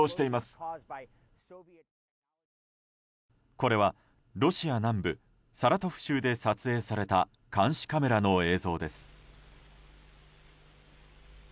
これはロシア南部サラトフ州で撮影された監視カメラの映像です。